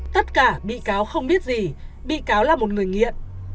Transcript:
tất cả bị cáo không biết gì bị cáo là một người nghiện